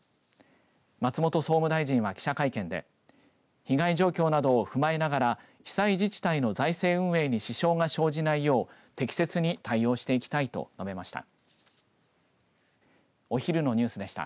松本総務大臣は記者会見で被害状況などを踏まえながら被災自治体の財政運営に支障が生じないよう適切に対応していきたいと述べました。